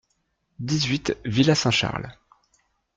dix-huit villa Saint-Charles